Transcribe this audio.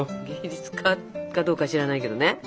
芸術家かどうか知らないけどね。